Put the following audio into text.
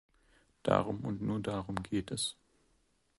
Darum und nur darum geht es.